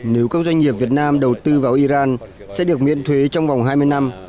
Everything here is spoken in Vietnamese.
nếu các doanh nghiệp việt nam đầu tư vào iran sẽ được miễn thuế trong vòng hai mươi năm